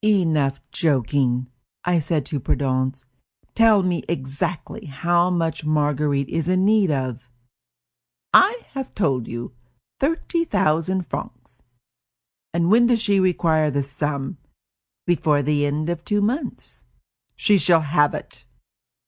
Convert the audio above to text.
"Enough joking," I said to Prudence; "tell me exactly how much Marguerite is in need of." "I have told you: thirty thousand francs." "And when does she require this sum?" "Before the end of two months." "She shall have it."